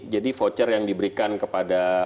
jadi voucher yang diberikan kepada